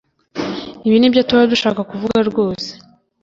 ibi nibyo tuba dushaka kuvuga rwose